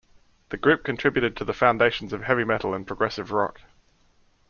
The group contributed to the foundations of heavy metal and progressive rock.